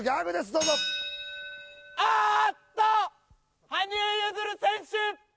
どうぞあっと羽生結弦選手